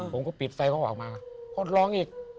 ผมก็ปิดไฟเขาออกมาเขาร้องอีก